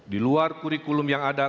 di luar kurikulum yang ada